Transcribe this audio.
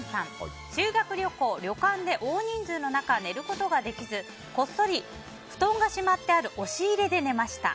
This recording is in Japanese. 修学旅行、旅館で大人数の中寝ることができずこっそり布団がしまってある押し入れで寝ました。